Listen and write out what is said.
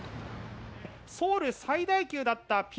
ソウル最大級だった